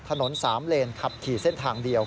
ถนนสามเลนขับขี่เส้นทางเดียว